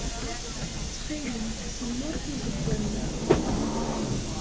Ttxil-m, semmeṛ tizewwa-nni.